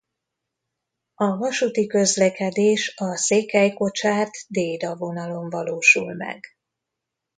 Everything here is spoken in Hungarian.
A vasúti közlekedés a Székelykocsárd–Déda vonalon valósul meg.